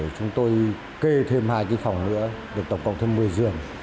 chúng tôi kê thêm hai cái phòng nữa được tổng cộng thêm một mươi giường